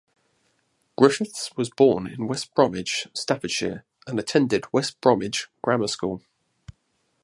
Griffiths was born in West Bromwich, Staffordshire, and attended West Bromwich Grammar School.